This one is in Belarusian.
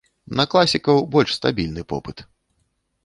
На класікаў больш стабільны попыт.